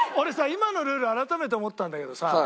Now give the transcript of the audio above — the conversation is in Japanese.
今のルール改めて思ったんだけどさ